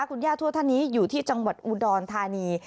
คุณย่าทั่วท่านนี้อยู่ที่จังหวัดอุดรธานี